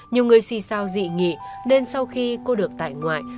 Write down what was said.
nhiều người xì sao dị nghị nên sau khi cô được tại ngoại